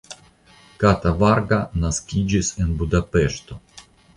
Kata Varga naskiĝis la en Budapeŝto.